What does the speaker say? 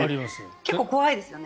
結構怖いですよね。